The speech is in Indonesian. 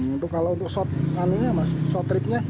untuk short tripnya